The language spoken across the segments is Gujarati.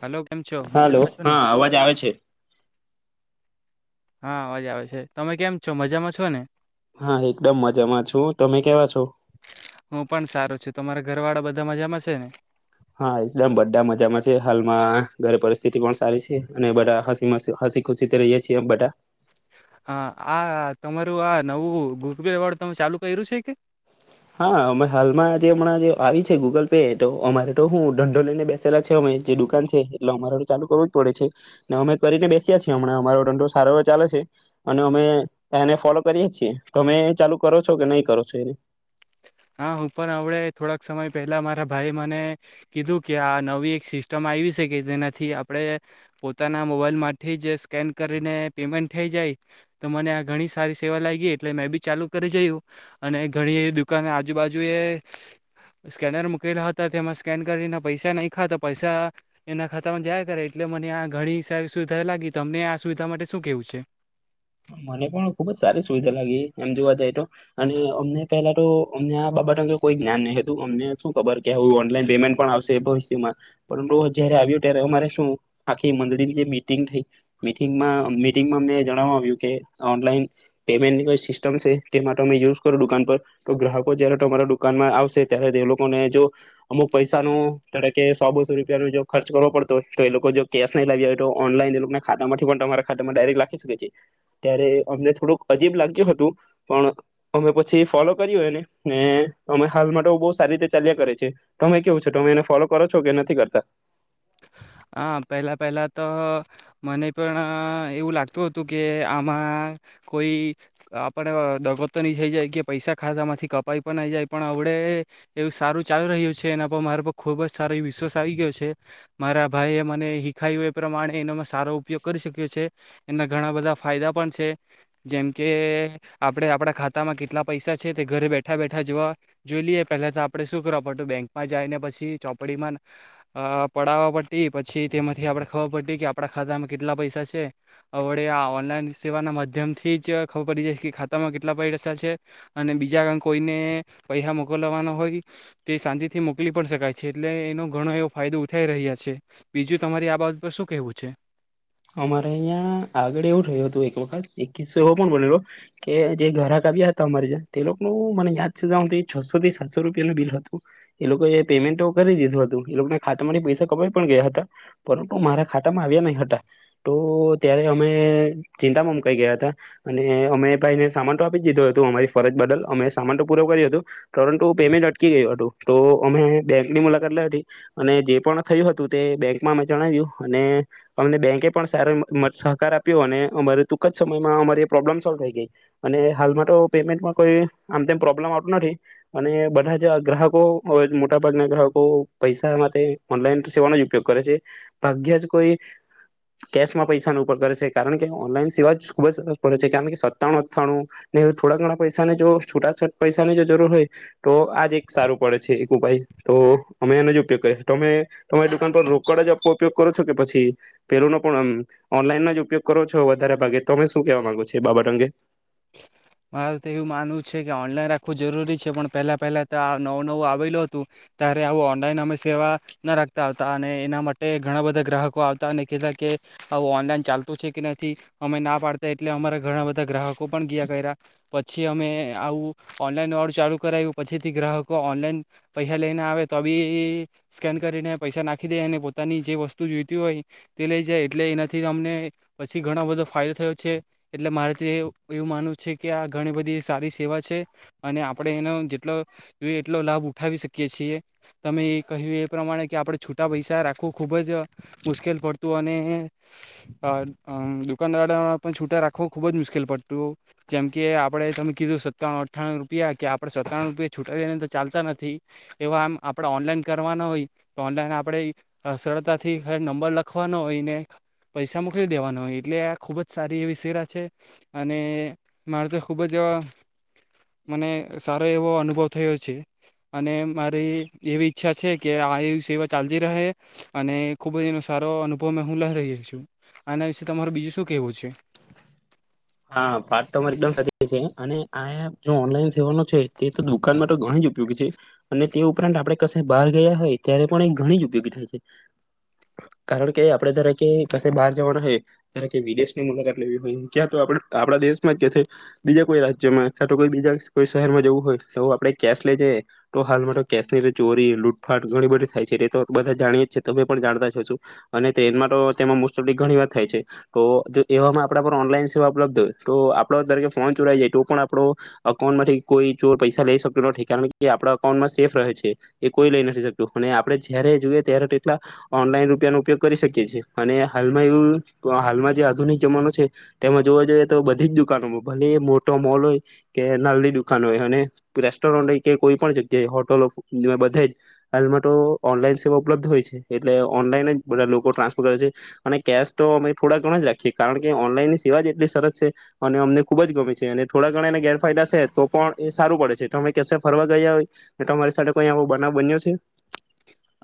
હલો કેમ છો? હાલો મજામાં છો ને? હા અવાજ આવે છે. હા અવાજ આવે છે. તમે કેમ છો મજામાં છો ને? હા એકદમ મજામાં છું તમે કેવા છો? હું પણ સારો છું. તમારા ઘરવાળા બધા મજામાંશે ને? હા એકદમ બધા મજામાં છે. હાલમાં ઘરે પરિસ્થિતિ પણ સારી છે અને બધા હસી, મસી હસી ખુશી થી રહીયે છીએ એ બધા. હા આ તમારું આ નવું [unintelligible] પે વાળું તમે ચાલુ કર્યું છે કે? હા અ હાલમાં જે હમણાં જે આવી છે. ગૂગલ પે તો અમારે તો હું ધંધો લઈને બેસેલા છે અમે જે દુકાન છે એટલે અમારે તો ચાલુ કરવું જ પડે છે. ને અમે કરીને બેસ્યા છીએ હમણાં અમારો ધંધો સારો એવો ચાલે છે અને અમે એને ફોલો કરીએ છીએ. તમે ચાલુ કરો છો કે નહીં કરો છો? હા હું પણ હવડે થોડાક સમય પહેલા મારા ભાઈ મને કીધું કે આ નવી એક સિસ્ટમ આયવી છે કે જેનાથી આપણે પોતાના મોબાઈલ માથી જે સ્કેન કરીને પેમેન્ટ થઈ જાય તો મને આ ઘણી સારી સેવા લાયગી એટલે મેં બી ચાલુ કરી જોયું અને ઘણી એવી કાને આજુબાજુ એ સ્કેનર મૂકેલા હતા. તેમાં સ્કેન કરીને પૈસા નાયખા તો પૈસા એના ખાતામાં જયા કરે એટલે મને આ ઘણી સારી સુવિધા લાગી. તમને આ સુવિધા માટે શું કેવું છે? મને પણ ખુબ જ સારી સુવિધા લાગી. એમ જોવા જાય તો અને અમને પેલા તો અમને આ બાબત અંગે કોઈ જ્ઞાન નહીં હતું. અમને શું ખબર કે હું ઓનલાઈન પેમેન્ટ પણ આવશે એ ભવિષ્યમાં. પરંતુ જયારે આવ્યું ત્યારે અમારે શું આખી મડળીની જે મિટિંગ થઈ. મિટંગમાં મિટિંગમાં અમને જણવા આવ્યું. કે ઓનલાઈન પેમેન્ટની કોઈ સિસ્ટમ છે. તેમા તમે યુઝ કરો દુકાન પર તો ગ્રાહકો જય્યારે તમારા દુકાનમાં આવશે, ત્યારે તે લોકોને જો અમુક પૈસા નું, ધારો કે સો બસો રૂપિયા નું જો ખર્ચ કરવો પડતો હો તો એ લોકો જો કેશ નહી લાવી હોય તો ઓનલાઈન એ લોકો ખાતામાંથી પણ તમારા ખાતામાં ડાયરેક્ટ લાખી શકે છે. ત્યારે અમને થોડુંક અજીબ લાગ્યું હતું. પણ અમે પછી ફોલો કર્યું એને ને અમે હાલ માટે બહ સારી રીતે ચાલ્યા કરે છે. તમે કેવું છો તમે એને ફોલો કરો છો કે નથી કરતા? હા પહેલા પહેલા તો મને પણ એવું લાગતું હતું કે આમાં કોઈ આપણે દગો તો નહી થઈ જાય કે પૈસા ખાતા માંથી કપાઈ પણ નઈ જાય પણ અવડે એવું સારું ચાલુ રહ્યું છે. એના પર મારા પર ખુબ જ સારો વિશ્વાસ આવી ગયો છે. મારા ભાઈએ મને હિખાયું એ પ્રમાણે એનો સારો ઉપયોગ કરી શક્યો છે. એના ઘણા બધા ફાયદા પણ છે જેમ કે આપણે આપણા ખાતામાં કેટલા પૈસા છે. તે ઘરે બેઠા બેઠા જોવા જોઈ લઈએ પહેલા તો આપણે શું કરવા પડતું બેંકમાં જાયને પછી ચોપડીમાં અ અ પડાવવા પડતી પછી તેમાંથી આપણે ખબર પડતી કે આપણા ખાતામાં કેટલા પૈસા છે. હવળે આ ઓનલાઈન સેવાના માધ્યમથી જ ખબર પડી જાય કે ખાતામાં કેટલા પૈસા છે અને બીજા કોઈને પૈસા મોકલવાના હોય તે શાંતિથી મોકલી પણ શકાય છે, એટલે એનો ઘણો એવો ફાયદો થઈ રહ્યા છે. બીજું તમારી આ બાબત પર શું કેવું છે? અમારે અહીંયા આગળ એવું થું હતું એક વખત, એક કિસ્સો એવો પણ બનેલો કે જે ઘરાક આવ્યા હતા અમારે જ્યાં તે લોકોનું મને યાદ છે તા સુધી છસો થી સાતસો રૂપિયા નું બિલ હતું. એ લોકો પેમેન્ટ કરી દીધું હતું એ લોકોના ખાતામાંથી પૈસા કપાઈ પણ ગયા હતા, પરંતુ મારા ખાતામાં આવ્યા નહી હતા. તો ત્યારે અમે ચિંતામાં મુકાઈ ગયા હતા, અને અમે ભાઈને સામાન તો આપી દીધો હતો, અમારી ફરજ બદલ અમે સામાન તો પૂરો કર્યો હતું પરંતુ પેમેન્ટ અટકી ગયું હતું, તો અમે બેંકની મુલાકાત લઈ હતી અને જે પણ થયું હતું તે બેંકમાં અમે જણાવ્યું અને અમને બેંક કે પણ સ સહકાર આપ્યો અને અમારે ટૂંક જ સમયમાં અમા પ્રોબ્લમ સોલ્વ થઈ ગઈ અને હાલમાં તો પેમેન્ટમાં કોઈ આમ તેમ પ્રોબ્લમ આવતું નથી અને બધા જ ગ્રાહકો હવે મોટા ભાગના ગ્રાહકો પૈસા માટે ઓનલાઈન સેવાનો જ ઉપયોગ કરે છે ભાગ્ય જ કોઈ કેશ માં પૈસા ન ઉપર કરે છે કારણ કે ઓનલાઈન સિવા જ ખુબ જ સરસ પડે છે કારણ કે સત્તાણું અઠ્ઠાણું ને થોડા ઘણા પૈસાને જો છૂટાછટ પૈસાની જો જરૂર હોય તો આજ એક સારું પડે છે એક ઉપાય તો અમે એનો જ ઉપયોગ કરીએ તમે તમારી દુકાન પર રોકડ જ આપવા ઉપયોગ કરો છો કે પછી. પેલુંનો પણ ઓનલાઈનનો જ ઉપયોગ કરો છો વધારે ભાગે તો તમે શું કેવા માંગો છો એ બાબત અંગે. મારે તો એવું માનવું છે કે ઓનલાઈન રાખવું જરૂરી છે પણ પહેલા પહેલા તો નવું નવું આવેલું હતું ત્યારે આવું ઓનલાઈન અમે સેવા ના રાખતા આવતા અને એના માટે ઘણા બધા ગ્રાહકો આવતા અને કહેતા કે આવું ઓનલાઈન ચાલતું છે કે નથી અમે ના પાડતા એટલે અમારા ઘણા બધા ગ્રાહક. કો પણ ગીયા કર્યા પછી અમે આવું ઓનલાઈન વાળું ચાલુ કરાવ્યું પછીથી ગ્રાહકો ઓનલાઈન પૈસા લઈને આવે તો બી સ્કેવાળુંને પૈસા નાખી દે અને પોતાની જે વસ્તુ જોઈતી હોય તે લઈ જાય એટલે એનાથી અમને પછી ઘણો બધો ફાયદો થયો છે એટલે મારેથી. એવું માનુંવું છે કે આ ઘણી બધી સારી સેવા છે અને આપણે એનો જેટલો જોઈએ એટલો લાભ ઉઠાવી શકીએ છીએ તમે એ કહ્યું એ પ્રમાણે કે આપણે છૂટા પૈસા રાખવું ખુબ જ મુશ્કેલ પડતું અને દુકાનદારા પણ છૂટા રાખવું ખૂબ જ મુશ્કેલ પડતું. તુ જેમ કે આપડે તમે કીધું સત્તાણું અઠ્ઠાણું રૂપિયા કે આપણેે સત્તાણું રૂપિયા છૂટા લને તો ચાલતા નથી એવા આમ આપણેે ઓનલાઈન કરવાના હોય તો ઓનલાઈન આપણેે સરળતાથી નંબર લખવાનો હોય ને પૈસા મોકલી દેવાના હોય એટલે આ ખુબ જ સારી એવી સેરા છે. અને મારે તો ખૂબ જ મને સારો એવો અનુભવ થયો છે અને મારી એવી ઈચ્છા છે કે આ એ સેવા ચાલતી રહે અને ખૂબ જ એનો સારો અનુભવ મે હું લઈ રહ્યો છું આના વિશે તમારું બીજું શું કહેવું છે. હા પાર્ટ તો તમારી એકદમ સચી છે અને આ હે જો ઓનલાઈન. વો નુ છે તે તો દુકાનમાં તો ઘણી જ ઉપયોગી છે અને તે ઉપરાંત આપણે કસે બહાર ગયા હોય ત્યારે પણ એ ઘણી જ ઉપયોગી થાય છે કારણ કે આપડે જકે કસે બહાર જવાના હોય કે વિદેશની મુલાકાત લેવી હોય. તો આપ આપણા દેશમાં જ કેથે બીજા કોઈ રાજ્યમાં કા તો કોઈ બીજા કોઈ શહેરમાં જવું હોય તો આપડે કેશ લે જઈએ તો હાલમાં તો કેશ નીી ચોરી લૂટફાટ ઘણી બધી થાય છે એ તો બધા જાણીએ જ છે તો તમે પણ જાણતા છો છો અને ટ્રેનમાં તો તેમાં મોસ્ટ ઓફ ઘણી વાર થાય છે તો જો એવામાં આપણા પર ઓનલાઈન. સેવા ઉપબ્ધ હોય તો આપડો તરકે ફોન ચોરાઈ જાય તો પણ આપડો અકાઉન્ટમાંથી કોઈ ચર પૈસા લઈ શકતો નથી કારણ કે આપડા અકાઉન્ટમાં સેફ રહે છે એ કોઈ લઈ નથી શકતું અને આપણે જયારે જોઈએ ત્યારે તેટલા ઓનલાઈન રૂપિયાનો ઉપયોગ કરી શકી એ છી અને હાલમાં એવું હાલમાં જે આધુનિક જમાનો છે. તેમાં જોવા જઈએ તો બધી જ દુકાનોમાં ભલે મોટો મોલ હોય કે નાલની દુકાનો હોય અને રેસ્ટોરન્ટ હોય કે કોઈ પણ જગ્યાએ હોટલો બધે જ હાલમાં તો ઓનલાઈન સેવા ઉપલબ્ધ હોય છે એટલે ઓનલાઈન જ બધા લોકો ટ્રાન્સફર કરે છે અને કેશ તો અમે થોડાક ઘણ જ રાખીએ કારણ કે ઓનલાઈન. સેવા જ એટલી સરસ છે અને અમને ખુબ જ ગમી છે અને થોડા ઘણા એને ગેરફાયદા છે તો પણ એ સારું પડે છે અમે ક ફરવા ગયા હોય તમારી સાથે કોઈ આવો બનાવ બન્યો છે.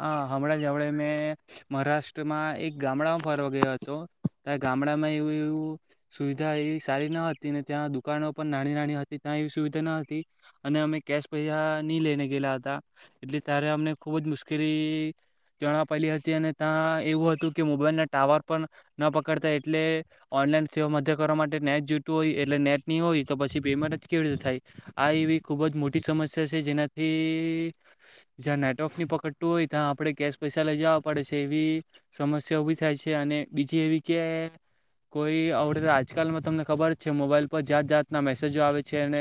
હ હમણાં જવડે મે મહારાષ્ટ્રમાં એક ગામડામાં ફરવા ગયો હતો ત્યાં ગામડામાં એવું એવું સુવિધા એવી સારી ન હતી ને ત્યાં દુકાનો પણ નાની નાની હતી ત્યાં એવી સુવિધા ન હતી અને અમે કેશ પૈસા નહી લઈને ગયેલા હતા એટલે ત્યારે અમને ખુબ જ મુશલી. જણા પેલી હતી અને ત્યાં એવું હતું કે મોબાઈલના ટાવર પણ ન પકડતા એટલે ઓનલાઈન સેવા મધ્ય કરવા માટે નેટ જોતું હોય એટલે નેટ નહી હોય તો પછી પેમેન્ટ જ કેવી રીતે થાય આ એવી ખૂબ જ મોટી સમસ્યા છે જેનાથી જ્યાં નેટવર્કની પકડ. તું હોય ત્યાં આપણે કેશ પૈસા લઈ જવા પડે છે એવી સમસ્યા ઉભી થાય છે અને બીજી એવી કે કોઈ આવડે આજકાલમાં તમને ખબર છે મોબાઈલ પર જાત જાતના મેસેજો આવે છે અને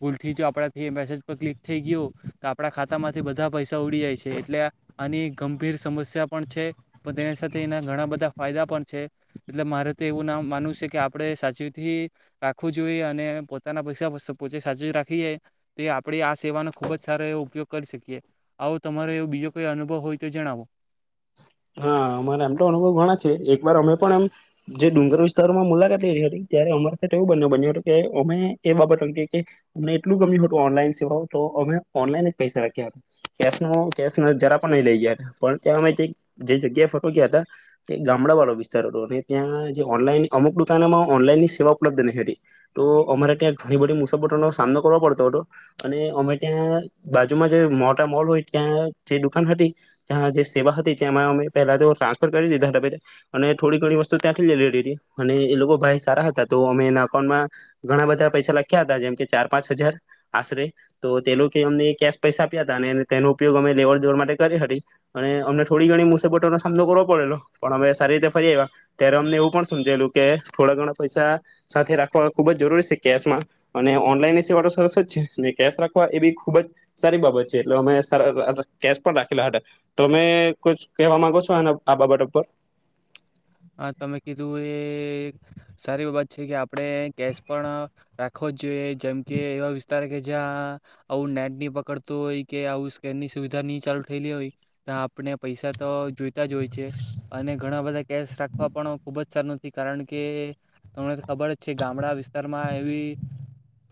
ભુલઠી જો આપણા થી મેસેજ પર ક્લિક થઈ ગયું તો આપડા ખાતામાંથી બધા પૈસા ઉડી જાય છે. એટલે આની ગંભીર સમસ્યા પણ છે પણ તેની સાથે એના ઘણા બધા ફાયદા પણ છે એટલે મારે તો એવું નામ માનવું છે કે આપણે સાચવીથી રાખવું જોઈએ અને પોતાના પૈસા પોતે સાચવી રાખી જાય તે આપણે આ સેવાનો ખૂબ જ સારો એવો ઉપયોગ કરી શકીએ આવું તમારેવ. બીજો કોઈ અનુભવ હોય તો જણાવો. હા અમારા એમ તો અનુભવ ઘણા છે એક વાર અમે પણ એમ જે ડુંગર વિસ્તારોમાં મુલાકાત લીધી હતી ત્યારે અમારી સાથે એવું બ બન્યું હતું કે અમે એ બાબત અંગે કે અમને એટલું ગમ્યું હતું ઓનલાઈન સેવાઓ તો અમે ઓનલાઈન જ પૈસા રાખ્યા હતા કે ન કે જરા પણ નહી લઈ ગયા હતા પણ તં અમે. જે જગ્યાએ ફટો ગયા હતા તે ગામડા વાળો વિસ્તાર હતો અને ત્યાં જે ઓનલાઈન અમુક દુકાનોમાં ઓનલાઈનની સેવા ઉપલબ્ધ નહી હતી તો અમારે ત્યાં ઘણી બધી મુસાબટ નો સામનો કરવો પડતો હતો અને અમે ત્યાં બાજુમાં જે મોટા મોલ હોય ત્યાં જે દુકાન હતી ત્યાં જે સેવા હતી ત્યામાં અમે પેલા તો ટ્રાન્સફર કરી દીધા હતા અને થોડી ઘણી વસ્તુ ત્યાંથી લઈ લીથી હતી અને એ લોકો ભાઈ સારા હતા તો અમે એના અકાઉન્ટમાં ઘણા બધા પૈસા લખ્યા હતા જેમ કે ચાર પાંચ હજાર આશરે તો તે લોકો અમને કેશ પૈસા આપ્યા હતા અને તેનો ઉપયોગ અમે લેવડ દેવડ માટે કરી હતી અને અમને થોડી ઘણી મુસાબટોનો સામનો કરવો પડેલો પણ અમે સારી રીતે ફરી આવ્યા ત્યારે અમને એવું પણ સમજાયેલું કે થોડા ઘણા પૈસા સાથે રાખવા ખૂબ જ જરૂરી છે કેશમાં અને ઓનલાઈનની સેવા સરસ જ છે અને કેશ રાખવા એ બી ખૂબ જ સારી બાબત છે એટલે અમે કેશ પણ રાખેલા હતા તો અમે ક કહેવા માંગો છો એના આ બાબટ ઉપર હા તમે કીધું એ સારી બાબત છે કે આપણે કેશ પણ રાખવો જ જોઈએ જેમ કે એવા વિસ્તાર કે જ્યાં આવું નેટ નની પકડતું હોય કે આવું સ્કેનની સુવિધા નહી ચાલુ થયેલી હોય ત્યા આપણે પૈસા તો જોઈ જ હોય છે અને ઘણા બધા કેસ રાખવા પણ ખુબ જ સારું નથી કારણ કે તમને ખબર જ છે ગામડા વિસ્તારમાં એવી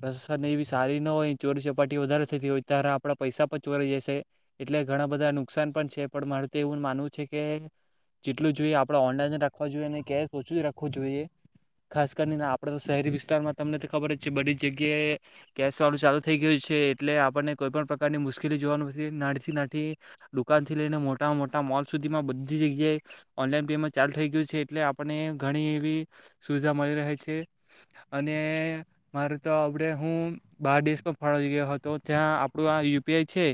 પ્રન એવી સારી ન હોય ચોરી ચપાટી વધારે થતી હોય ત્યારે આપણા પૈસા પણ ચોરી જશે એટલે ઘણા બધા નુકસાન પણ છે પણ મારે તો એવું માનવું છે કે જેટલું જોઈએ આપણે ઓનલાઈન રાખવા જોઈએ કેશ ઓછું જ રાખવું જોઈએ ખાસ કરીને આપણે શહેરી વિસ્તારમાં તમને તો ખબર જ છે બધી જગ્યાએ કેશ વાળું ચાલુ થઈ ગયું છે એટલે આપણને કોઈ પણણ પ્રકારની મુશ્કેલી જોવાનું નડ તી નથી દુકાનથી લઈને મોટા મોટા મોલ સુધીમાં બધી જગ્યાએ ઓનલાઈન માં ચાલુ થઈ ગયું છે એટલે આપને ઘણી એવી સુવિધા મળી રહે છે અને મારે તો આપણે હું બાર દેશમાં ફરવા ગયો હતો ત્યાં આપણો આ યુપીઆઈ છે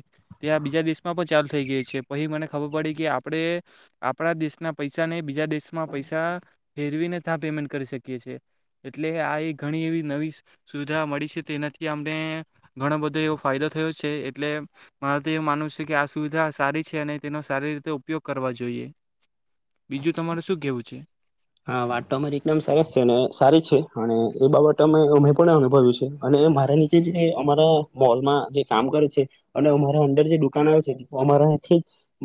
ત્યાં બીજા દેશમાં પણ ચાલુ થઈ ગઈ છે પછી મને ખબર પડી કે આપણે આપણા દેશના પૈસાને બીજા દેશમાં પૈસા ફેરવીને ત્યાં પેમેન્ટ કરી શકીએ છીએ એટલે આ એ ઘણી એવી નવી સુવિધા મળી છે તેનાથી અમને ઘણો બધો એવો ફાયદો થયો છે એટલે મારે તો એવું માનવું છે કે આ સુવિધા સારી છે અને તેનો સારી રીતે ઉપયોગ કરવા જોઈએ બીજું તમારે શું કેવું છે હા વાત તો અમારી એકદમ સરસ છે અને સારી છે અને એ બાબત અમે અમે પણ અનુભવ્યું છે અને મારા નીચે અમારા મોલમાં જે કામ કરે છે અને અમારા અંદર જે દુકાન આવે છે અમારાથી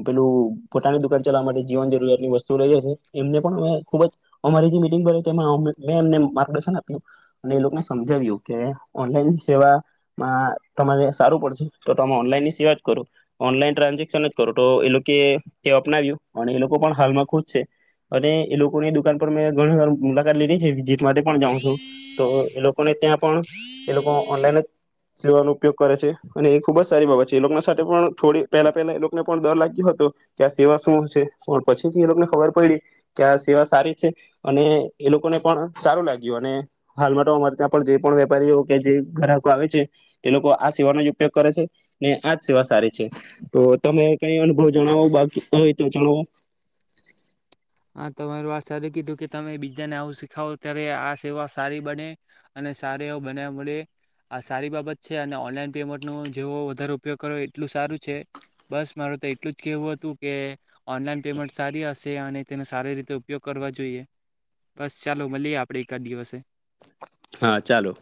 પેલું પોતાની દુકાન ચલાવા માટે જીવન જરૂરિયાતની વસ્તુ લઈ જ છે એમને પણ ખુબ જ અમારી જે મિટંગ ભરાયે તેમાં મે એમને માર્ગદર્શન આપ્યું અને એ લોકોને સમજાવ્યું કે ઓનલાઈન સેવામાં તમારે સારું પડશે તો તમે ઓનલાઈનની સેવા જ કરો ઓનલાઈન ટ્રાન્ઝેક્શન જ કરો તો એ લોકો એ અપનાવ્યું અને એ લોકો પણ હાલમાં ખુશ છે અને એ લોકો કોની દુાન પર મેં ઘણી વાર મુલાકાત લીધી છે માટે પણ જાઉ છું તો એ લોકો અને ત્યાં પણ એ લોકો ઓનલાઈન સેવાનો ઉપયોગ કરે છે અને એ ખુબ જ સારી બાબત છે એ લોકો સાથે પણ થોડી પહેલા પહેલા એ લોકોને પણ ડર લાગ્યો હતો કે આ સેવા શું હશે પણ પછી થી એ લોકોને ખબર પડી કે આ સેવા સારી છે અને એ લોકોને પણ સારું લાગ્યું અને હાલ માટે અમારે ત્યાં પણ જે પણ વેપારીઓ કે જે ગ્રાહકો આવે છે એ લોકો આ સેવાનો જ ઉપયોગ કરે છે અનેને આજ સેવા સારી છે તો તમે કઈ અનુભવ જણાવો બાકી હોય તો જાણો હા તમારી વાત સારી કીધું કે તમે બીજાને આવું શીખાવો ત્યારે આ સેવા સારી બને અને સાર એવો બનાવવા મળે આ સારી બાબત છે અને ઓનલાઈન પેમેન્ટનું જેવો વધારે ઉપયોગ કરો એટલું સારું છે બસ માર તો એટલું જ કેહેવું હતું કે ઓનલાઈન પેમેન્ટ સારી હશે અને તેનો સારી રીતે ઉપયોગ કરવા જોઈએ બસ ચાલો મળીએ આપણેે એકાદ દિવસે હા ચાલો